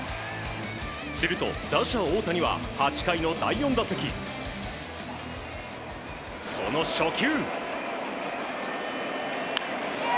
すると、打者・大谷は８回の第４打席その初球。